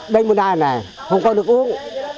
đây một đai này không có nước uống